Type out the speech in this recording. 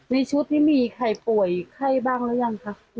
ในชุดนี้มีใครป่วยไข้บ้างหรือยังคะ